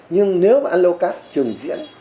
nhưng nếu mà allocarp trừng diễn